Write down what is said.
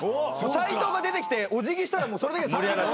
斉藤が出てきてお辞儀したらそれだけで３０秒ぐらい。